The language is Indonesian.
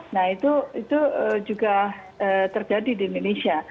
nah itu juga terjadi di indonesia